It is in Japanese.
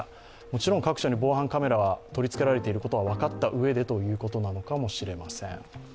もちろん各所に防犯カメラが取り付けられていることは分かったうえでということなのかもしれません。